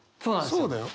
そうだよ。